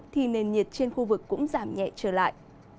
thì nền nhiệt trên khu vực cũng giảm nhẹ trở lại